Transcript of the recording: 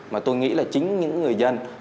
mà tôi nghĩ là chính những người dân